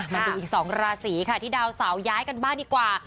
มาดูอีก๒ราศีค่ะที่ดาวเสาย้ายกันบ้างดีกว่า